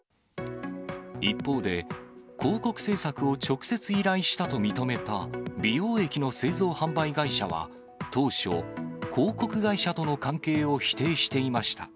一方で、広告制作を直接依頼したと認めた美容液の製造販売会社は当初、広告会社との関係を否定していました。